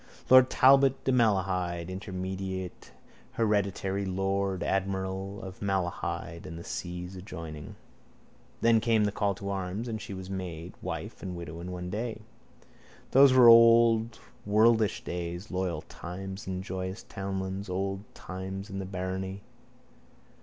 Lord Talbot de Malahide, immediate hereditary lord admiral of Malahide and the seas adjoining. Then came the call to arms and she was maid, wife and widow in one day. Those were old worldish days, loyal times in joyous townlands, old times in the barony.